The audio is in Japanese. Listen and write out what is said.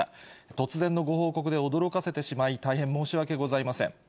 突然のご報告で驚かせてしまい、大変申し訳ございません。